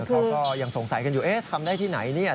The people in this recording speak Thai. เขาก็ยังสงสัยกันอยู่เอ๊ะทำได้ที่ไหนเนี่ย